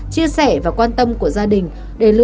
chia sẻ và quan tâm của gia đình